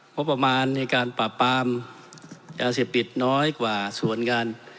งบประมาณในการปราบปรามยาเสพติดน้อยกว่าส่วนงาน